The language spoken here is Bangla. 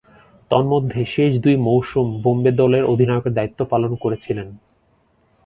তন্মধ্যে, শেষ দুই মৌসুম বোম্বে দলের অধিনায়কের দায়িত্ব পালন করেছিলেন।